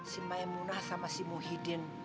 si maimunah sama si muhyiddin